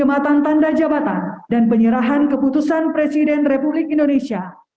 menjabat bupati tolikara